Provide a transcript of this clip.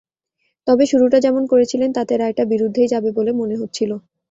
তবে শুরুটা যেমন করেছিলেন, তাতে রায়টা বিরুদ্ধেই যাবে বলে মনে হচ্ছিল।